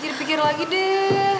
pikir pikir lagi deh